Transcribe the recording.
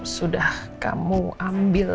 sudah kamu ambil